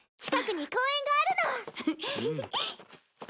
近くに公園があるの。